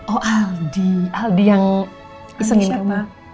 oh aldi aldi yang isengin kamu